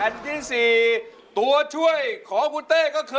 ที่๔ตัวช่วยของคุณเต้ก็คือ